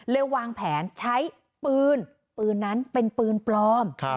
วางแผนใช้ปืนปืนนั้นเป็นปืนปลอม